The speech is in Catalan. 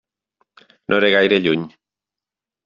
No era gaire lluny.